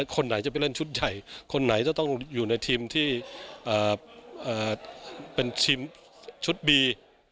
คนไหนจะไปเล่นชุดใหญ่คนไหนจะต้องอยู่ในทีมที่เป็นชุดบี